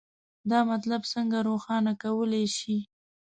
دا مطلب څنګه روښانه کولی شئ؟